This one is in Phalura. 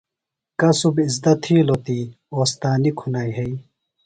کصُب اِزدہ تِھیلوۡ تی، اوستانی کُھنہ یھئیۡ